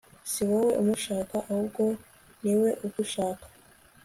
siwowe umushaka ahubwo niwe ugushaka